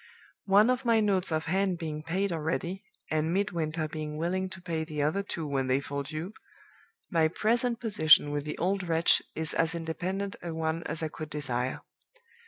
"One of my notes of hand being paid already, and Midwinter being willing to pay the other two when they fall due, my present position with the old wretch is as independent a one as I could desire.